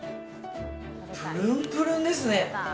ぷるんぷるんですね。